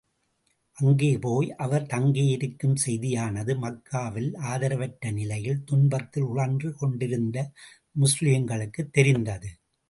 அங்கே போய் அவர் தங்கி இருக்கும் செய்தியானது, மக்காவில் ஆதரவற்ற நிலையில், துன்பத்தில் உழன்று கொண்டிருந்த முஸ்லிம்களுக்குத் தெரிந்தது.